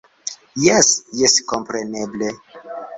- Jes, jes kompreneble